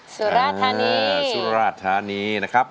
สุราธานีสุราธานีนะครับ